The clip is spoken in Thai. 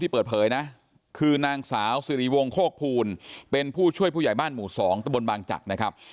เปิดเผยนะคือนางสาวสิริวงศกภูลเป็นผู้ช่วยผู้ใหญ่บ้านหมู่๒ตะบนบางจักรนะครับ